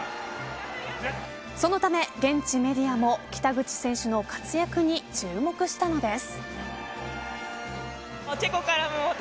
そのため、現地メディアも北口選手の活躍に注目したのです。